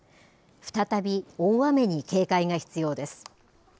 再び大雨に警戒が必要です。